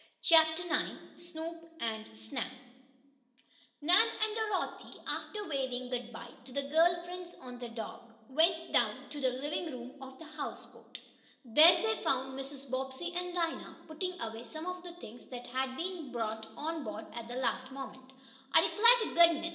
CHAPTER IX SNOOP AND SNAP Nan and Dorothy, after waving good bye to the girl friends on the dock, went down to the living room of the houseboat. There they found Mrs. Bobbsey and Dinah putting away some of the things that had been brought on board at the last moment. "I 'clar t' goodness!"